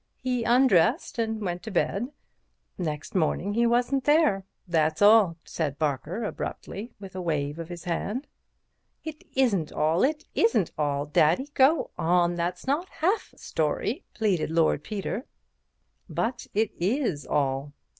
He undressed and went to bed. Next morning he wasn't there. That's all," said Parker abruptly, with a wave of the hand. "It isn't all, it isn't all. Daddy, go on, that's not half a story," pleaded Lord Peter. "But it is all.